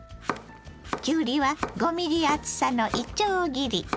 きゅうりは５ｍｍ厚さのいちょう切り。